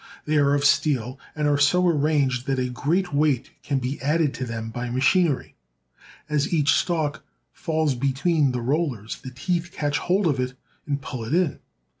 They are of steel, and are so arranged that a great weight can be added to them by machinery. As each stalk falls between 148 THE SOUTH. the rollers, the teeth catch hold of it and pull it In.